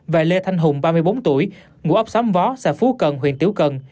và lê thanh hùng ba mươi bốn tuổi ngũ ấp xóm vó xã phú cần huyện tiếu cần